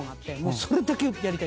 それだけやりたいです。